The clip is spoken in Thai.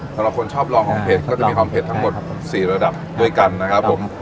สำหรับคนชอบลองของเผ็ดก็จะมีความเผ็ดทั้งหมด๔ระดับด้วยกันนะครับผม